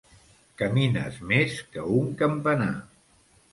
Camines més que un campanar!